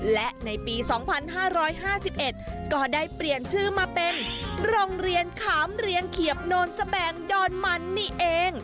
และในปีสองพันห้าร้อยห้าสิบเอ็ดก็ได้เปลี่ยนชื่อมาเป็นโรงเรียนขามเรียงเขียบโนลสแบงดอนมันนี่เอง